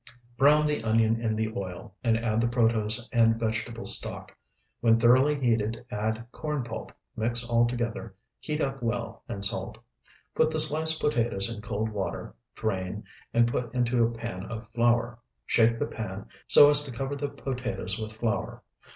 Brown the onion in the oil, and add the protose and vegetable stock. When thoroughly heated, add corn pulp, mix all together, heat up well, and salt. Put the sliced potatoes in cold water, drain, and put into a pan of flour; shake the pan so as to cover the potatoes with flour.